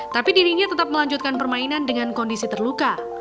tapi dirinya tetap melanjutkan permainan dengan kondisi terluka